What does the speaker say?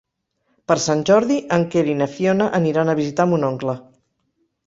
Per Sant Jordi en Quer i na Fiona aniran a visitar mon oncle.